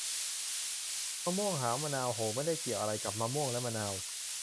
มะม่วงหาวมะนาวโห่ ไม่ได้เกี่ยวอะไรกับมะม่วงและมะนาว